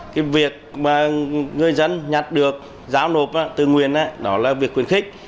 cái việc mà người dân nhặt được giao nộp từ nguyên đó là việc khuyến khích